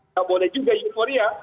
tidak boleh juga euforia